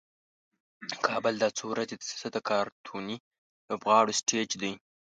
کابل دا څو ورځې د سیاست د کارتوني لوبغاړو سټیج دی.